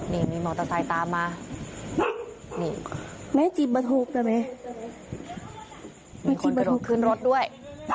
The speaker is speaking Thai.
นี่มีมอเตอร์ไซต์ตามมานี่แม่จิบบะถูกกันไหมมีคนไปรถขึ้นรถด้วย